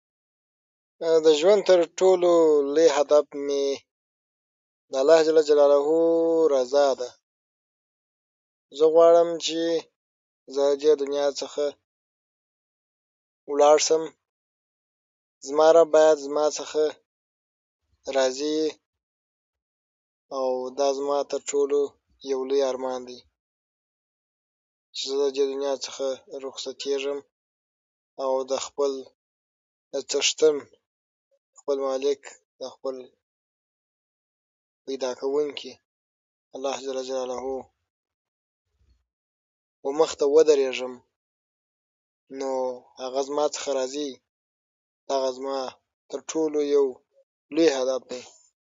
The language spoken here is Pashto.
د ژوند تر ټولو لوی هدف مې د الله جل جلا له رضا ده زه غواړم چې ددې دنیا څخه ولاړ شم زما رب باید زما څخه راضي وي او دا زما یو تر ټولو لوی آرمان دی چې زه ددې دنیا څخه رخصتیږم او د خپل څښتن خپل مالک پيداکوونکي الله جل جلاله مخ ته ودریږم نو هغه زما څخه راضي يې دا زما یو تر ټولو لوی هدف دی